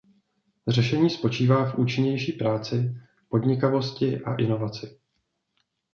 Řešení spočívá v účinnější práci, podnikavosti a inovaci.